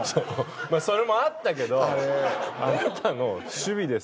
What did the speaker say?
まあそれもあったけどあなたの守備です。